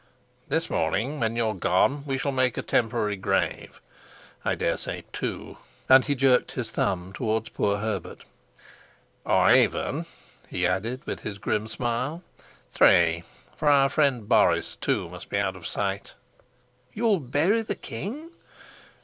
"This morning, when you're gone, we shall make a temporary grave. I dare say two," and he jerked his thumb towards poor Herbert. "Or even," he added, with his grim smile, "three for our friend Boris, too, must be out of sight." "You'll bury the king?"